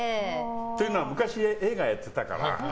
っていうのは昔、映画をやってたから。